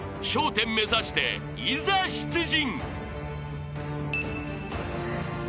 １０目指していざ出陣］